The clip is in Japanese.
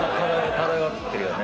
漂ってるよね。